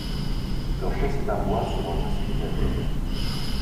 Leur caisse est en bois sur un châssis métallique.